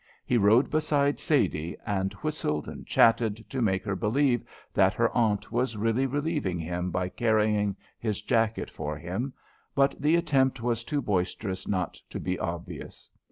He rode beside Sadie, and whistled and chatted to make her believe that her aunt was really relieving him by carrying his jacket for him, but the attempt was too boisterous not to be obvious.